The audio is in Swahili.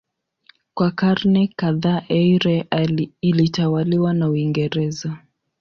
Kwa karne kadhaa Eire ilitawaliwa na Uingereza.